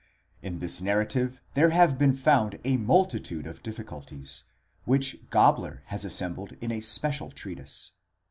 In this narrative there have been found a multitude of difficulties, which Gabler has assembled in a special treatise.